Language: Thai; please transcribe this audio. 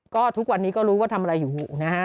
ก็ทุกวันนี้ก็รู้ว่าทำอะไรอยู่นะฮะ